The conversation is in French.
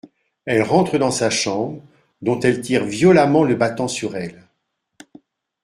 Elle rentre dans sa chambre, dont elle tire violemment le battant sur elle.